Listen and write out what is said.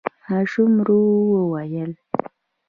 ماشوم ورو وويل: